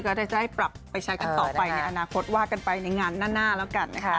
ได้จะได้ปรับไปใช้กันต่อไปในอนาคตว่ากันไปในงานหน้าแล้วกันนะคะ